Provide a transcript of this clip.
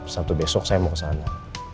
sabtu besok saya mau ke sana